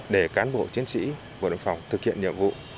để cán bộ chiến sĩ bộ đội biên phòng thực hiện nhiệm vụ